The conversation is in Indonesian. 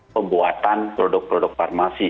pembuatan produk produk farmasi